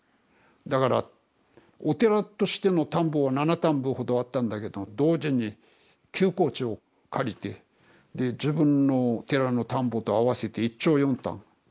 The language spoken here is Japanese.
だからお寺としての田んぼは７反歩ほどあったんだけど同時に休耕地を借りてで自分の寺の田んぼと合わせて１町４反。